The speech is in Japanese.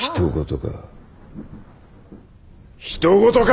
ひと事か！